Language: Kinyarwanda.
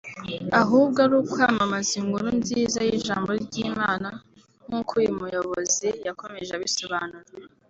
ahubwo ari ukwamamaza inkuru nziza y’Ijambo ry’Imana nk’uko uyu muyobozi yakomeje abisobanura